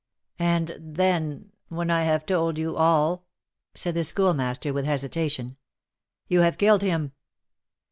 "And then, when I have told you all " said the Schoolmaster with hesitation. "You have killed him!"